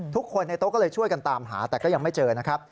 ทุกคนในโต๊ะก็เลยช่วยกันตามหาแต่ก็ยังไม่เจอนะครับ